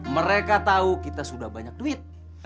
mereka tahu kita sudah banyak duit